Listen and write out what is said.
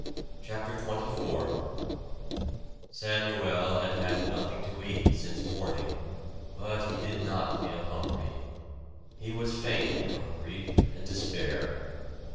CHAPTER XXIV Samuel had had nothing to eat since morning, but he did not feel hungry. He was faint from grief and despair.